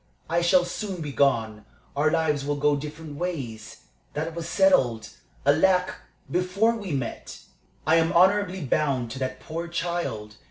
I shall soon be gone. Our lives will go different ways. That was settled alack! before we met. I am honorably bound to that poor child.